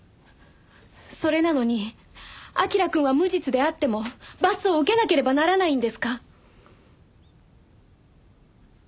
それなのに彬くんは無実であっても罰を受けなければならないんですか？